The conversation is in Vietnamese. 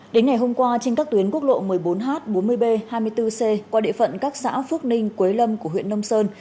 đến ngày hôm qua trên các tuyến quốc lộ một mươi bốn h bốn mươi b hai mươi bốn c qua địa phận các xã phước ninh quế lâm của huyện nông sơn